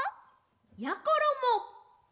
やころも！